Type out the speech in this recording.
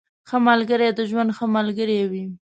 ښه ملګري د ژوند ښه ملګري وي.